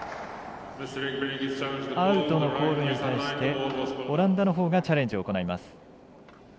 アウトのコールに対してオランダのほうがチャレンジを行います。